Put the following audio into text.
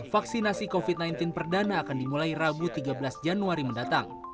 vaksinasi covid sembilan belas perdana akan dimulai rabu tiga belas januari mendatang